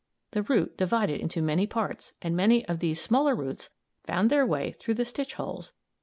The root divided into many parts, and many of these smaller roots found their way through the stitch holes.